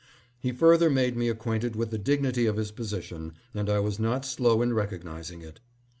He further made me acquainted with the dignity of his position, and I was not slow in recognizing it.